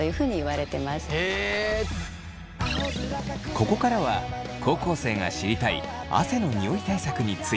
ここからは高校生が知りたい汗のニオイ対策について。